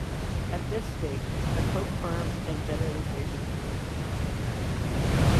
At this date, a coke firme and generating station created.